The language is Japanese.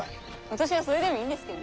私はそれでもいいんですけど。